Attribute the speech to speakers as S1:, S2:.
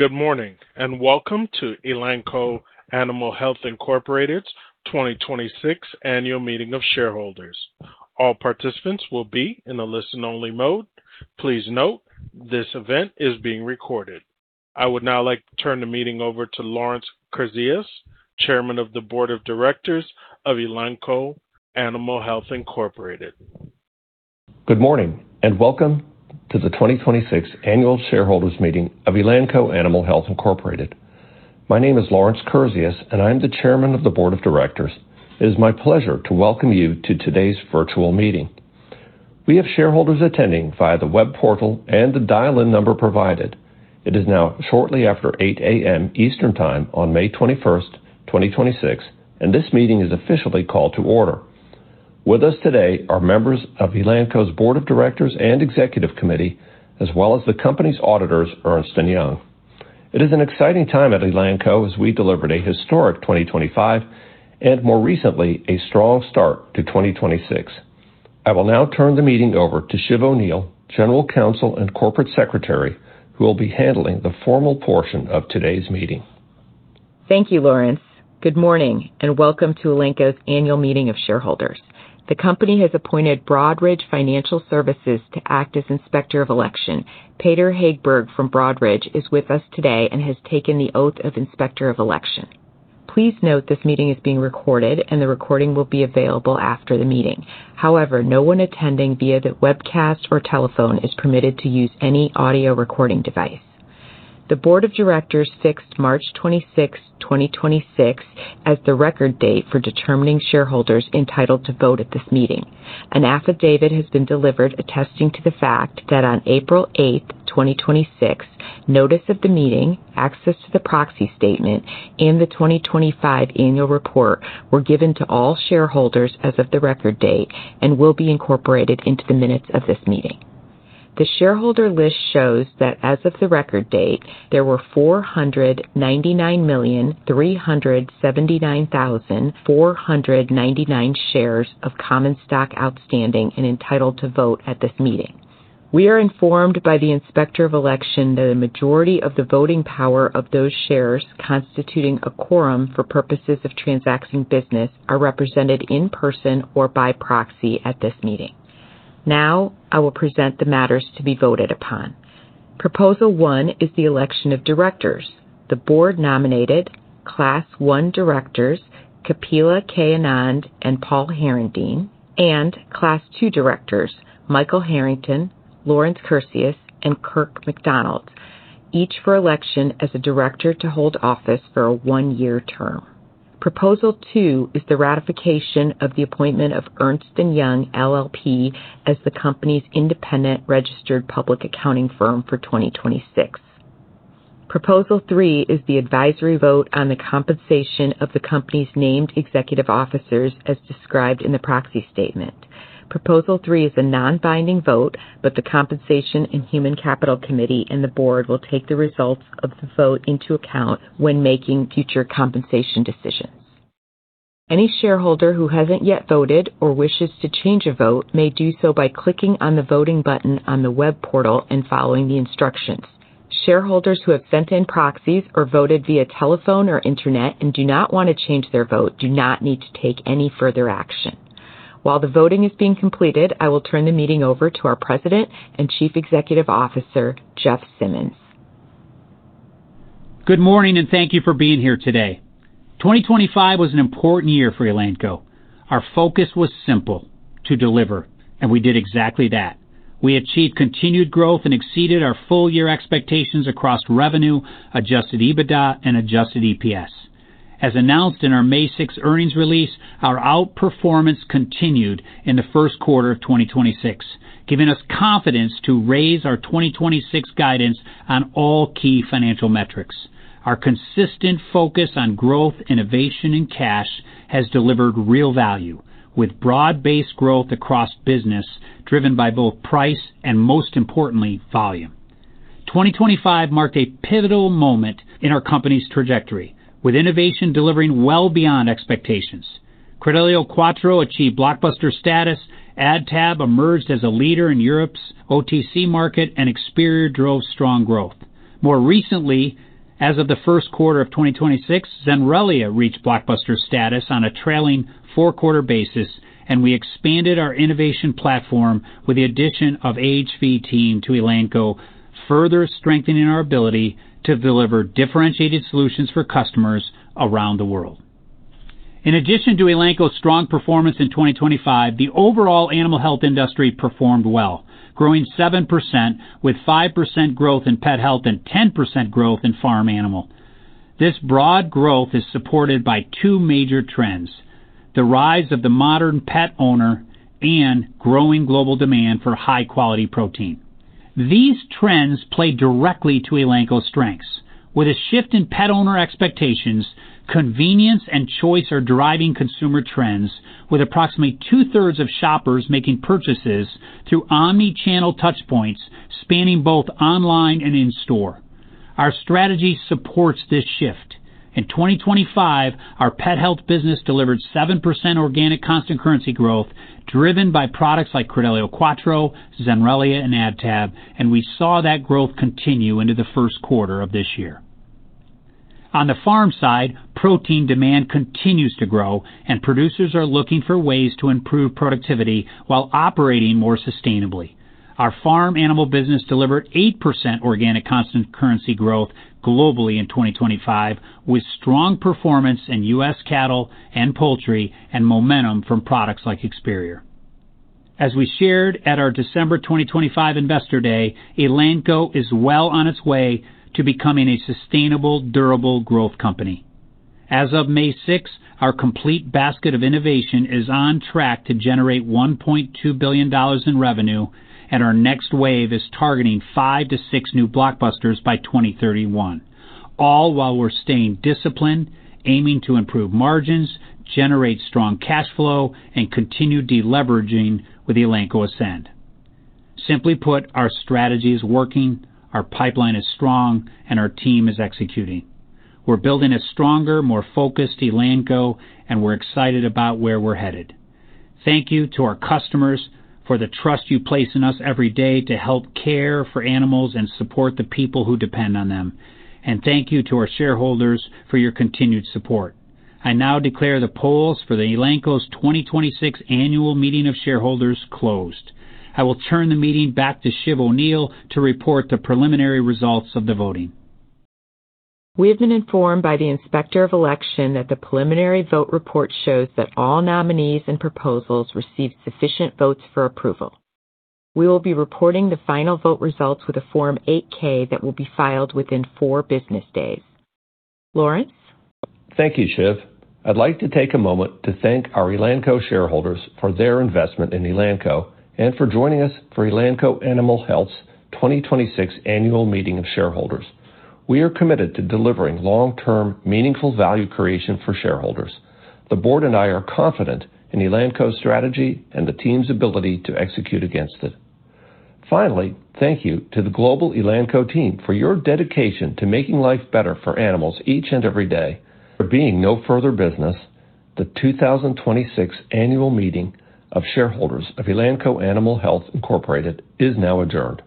S1: Good morning, welcome to Elanco Animal Health Incorporated's 2026 annual meeting of shareholders. All participants will be in a listen-only mode. Please note this event is being recorded. I would now like to turn the meeting over to Lawrence Kurzius, Chairman of the Board of Directors of Elanco Animal Health Incorporated.
S2: Good morning, and welcome to the 2026 annual shareholders meeting of Elanco Animal Health Incorporated. My name is Lawrence Kurzius, and I'm the Chairman of the Board of Directors. It is my pleasure to welcome you to today's virtual meeting. We have shareholders attending via the web portal and the dial-in number provided. It is now shortly after 8:00 A.M. Eastern Time on May 21st, 2026, and this meeting is officially called to order. With us today are members of Elanco's Board of Directors and Executive Committee, as well as the company's auditors, Ernst & Young. It is an exciting time at Elanco as we delivered a historic 2025 and, more recently, a strong start to 2026. I will now turn the meeting over to Shiv O'Neill, General Counsel and Corporate Secretary, who will be handling the formal portion of today's meeting.
S3: Thank you, Lawrence. Good morning and welcome to Elanco's annual meeting of shareholders. The company has appointed Broadridge Financial Solutions to act as Inspector of Election. Peder Hagberg from Broadridge is with us today and has taken the oath of Inspector of Election. Please note this meeting is being recorded, and the recording will be available after the meeting. However, no one attending via the webcast or telephone is permitted to use any audio recording device. The Board of Directors fixed March 26th, 2026, as the record date for determining shareholders entitled to vote at this meeting. An affidavit has been delivered attesting to the fact that on April 8th, 2026, notice of the meeting, access to the proxy statement, and the 2025 annual report were given to all shareholders as of the record date and will be incorporated into the minutes of this meeting. The shareholder list shows that as of the record date, there were 499,379,499 shares of common stock outstanding and entitled to vote at this meeting. We are informed by the Inspector of Election that a majority of the voting power of those shares constituting a quorum for purposes of transacting business are represented in person or by proxy at this meeting. Now, I will present the matters to be voted upon. Proposal one is the election of directors. The board-nominated Class I directors, Kapila Anand and Paul Herendeen, and Class II directors, Michael Harrington, Lawrence Kurzius, and Kirk McDonald, each for election as a director to hold office for a one-year term. Proposal two is the ratification of the appointment of Ernst & Young LLP as the company's independent registered public accounting firm for 2026. Proposal three is the advisory vote on the compensation of the company's named executive officers as described in the proxy statement. Proposal three is a non-binding vote. The Compensation and Human Capital Committee and the board will take the results of the vote into account when making future compensation decisions. Any shareholder who hasn't yet voted or wishes to change a vote may do so by clicking on the voting button on the web portal and following the instructions. Shareholders who have sent in proxies or voted via telephone or internet and do not want to change their vote do not need to take any further action. While the voting is being completed, I will turn the meeting over to our President and Chief Executive Officer, Jeff Simmons.
S4: Good morning, and thank you for being here today. 2025 was an important year for Elanco. Our focus was simple: to deliver, and we did exactly that. We achieved continued growth and exceeded our full-year expectations across revenue, adjusted EBITDA, and adjusted EPS. As announced in our May 6 earnings release, our outperformance continued in the first quarter of 2026, giving us confidence to raise our 2026 guidance on all key financial metrics. Our consistent focus on growth, innovation, and cash has delivered real value, with broad-based growth across business driven by both price and, most importantly, volume. 2025 marked a pivotal moment in our company's trajectory, with innovation delivering well beyond expectations. Credelio Quattro achieved blockbuster status, AdTab emerged as a leader in Europe's OTC market, and Experior drove strong growth. More recently, as of the first quarter of 2026, Zenrelia reached blockbuster status on a trailing four-quarter basis, and we expanded our innovation platform with the addition of AHV International to Elanco, further strengthening our ability to deliver differentiated solutions for customers around the world. In addition to Elanco's strong performance in 2025, the overall animal health industry performed well, growing 7%, with 5% growth in pet health and 10% growth in farm animal. This broad growth is supported by two major trends: the rise of the modern pet owner and growing global demand for high-quality protein. These trends play directly to Elanco's strengths. With a shift in pet owner expectations, convenience and choice are driving consumer trends with approximately 2/3 of shoppers making purchases through omni-channel touchpoints spanning both online and in-store. Our strategy supports this shift. In 2025, our pet health business delivered 7% organic constant currency growth driven by products like Credelio Quattro, Zenrelia, and AdTab. We saw that growth continue into the first quarter of this year. On the farm side, protein demand continues to grow, and producers are looking for ways to improve productivity while operating more sustainably. Our farm animal business delivered 8% organic constant currency growth globally in 2025, with strong performance in U.S. cattle and poultry and momentum from products like Experior. As we shared at our December 2025 Investor Day, Elanco is well on its way to becoming a sustainable, durable growth company. As of May 6, our complete basket of innovation is on track to generate $1.2 billion in revenue, and our next wave is targeting five to six new blockbusters by 2031, all while we're staying disciplined, aiming to improve margins, generate strong cash flow, and continue deleveraging with Elanco Ascend. Simply put, our strategy is working, our pipeline is strong, and our team is executing. We're building a stronger, more focused Elanco, and we're excited about where we're headed. Thank you to our customers for the trust you place in us every day to help care for animals and support the people who depend on them. Thank you to our shareholders for your continued support. I now declare the polls for the Elanco's 2026 Annual Meeting of Shareholders closed. I will turn the meeting back to Shiv O'Neill to report the preliminary results of the voting.
S3: We have been informed by the Inspector of Election that the preliminary vote report shows that all nominees and proposals received sufficient votes for approval. We will be reporting the final vote results with a Form 8-K that will be filed within four business days. Lawrence?
S2: Thank you, Shiv. I'd like to take a moment to thank our Elanco shareholders for their investment in Elanco and for joining us for Elanco Animal Health's 2026 Annual Meeting of Shareholders. We are committed to delivering long-term, meaningful value creation for shareholders. The board and I are confident in Elanco's strategy and the team's ability to execute against it. Finally, thank you to the global Elanco team for your dedication to making life better for animals each and every day. There being no further business, the 2026 Annual Meeting of Shareholders of Elanco Animal Health Incorporated is now adjourned.